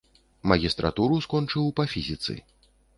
Магістратуру скончыў па фізіцы.